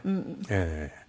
ええ。